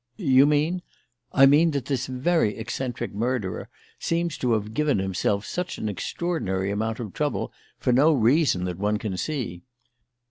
"You mean " "I mean that this very eccentric murderer seems to have given himself such an extraordinary amount of trouble for no reason that one can see.